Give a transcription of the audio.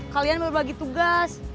kalian berbagi tugas